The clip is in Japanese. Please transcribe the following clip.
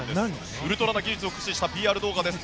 ウルトラな技術を駆使したＰＲ動画です。